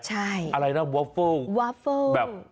ใช่อะไรวอฟเฟิลล์